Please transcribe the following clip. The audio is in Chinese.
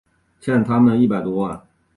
欠了他们一百多万